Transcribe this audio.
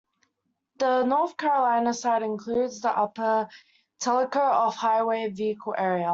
The North Carolina side includes the Upper Tellico Off-highway vehicle area.